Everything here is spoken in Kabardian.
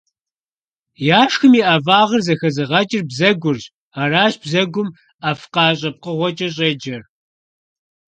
Яшхым и ӀэфӀагъыр зэхэзыгъэкӀыр бзэгурщ, аращ бзэгум ӀэфӀкъащӀэ пкъыгъуэкӀэ щӀеджэр.